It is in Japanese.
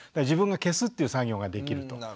自分が消すっていう作業ができると。